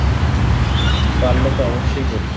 পারলে তো অবশ্যই করবো।